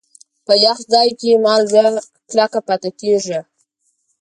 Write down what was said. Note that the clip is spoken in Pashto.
په یخ ځای کې مالګه کلکه پاتې کېږي.